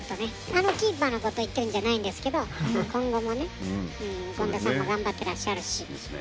あのキーパーのことを言っているんじゃないんですけど今後もね本田さんも頑張ってらっしゃるし。